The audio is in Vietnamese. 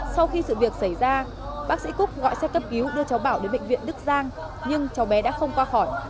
sau khi sự việc xảy ra bác sĩ cúc gọi xe cấp cứu đưa cháu bảo đến bệnh viện đức giang nhưng cháu bé đã không qua khỏi